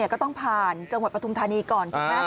ก็ต้องผ่านจังหวัดปทมธานีก่อน